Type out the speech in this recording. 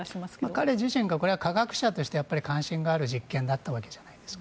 彼自身が科学者として関心がある実験だったわけじゃないですか。